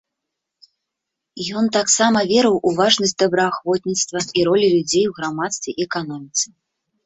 Ён таксама верыў у важнасць добраахвотніцтва і ролі людзей у грамадстве і эканоміцы.